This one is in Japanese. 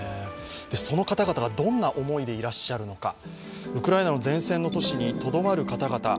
その方々が、どんな思いでいらっしゃるのか、ウクライナの前線の都市にとどまる方々